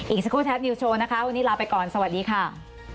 อีกสักครู่แท็บนิวโชว์นะคะวันนี้ลาไปก่อนสวัสดีค่ะ